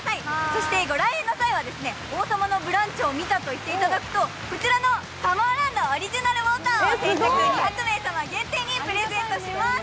そしてご来園の際には「王様のブランチ」を見たと言っていただくとこちらのサマーランドオリジナルウォーターを先着２００名様限定でプレゼントします。